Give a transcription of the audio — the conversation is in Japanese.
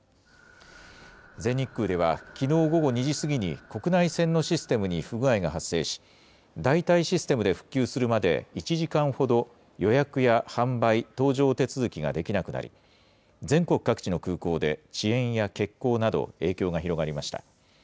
全日空では、きのう午後２時過ぎに国内線のシステムに不具合が発生し、代替システムで復旧するまで１時間ほど、予約や販売・搭乗手続きができなくなり、全国各地の空港で、遅延や欠航など、影響が広がりました。